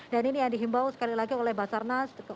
dan ini yang dihimbau sekali lagi oleh basarnas